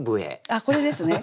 あっこれですね？